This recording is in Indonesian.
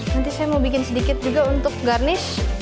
nanti saya mau bikin sedikit juga untuk garnish